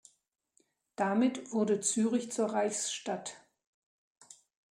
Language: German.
Damit wurde Zürich zur Reichsstadt.